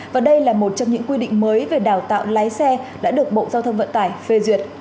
và đây là một trong những quy định mới về đào tạo lái xe đã được bộ giao thông vận tải phê duyệt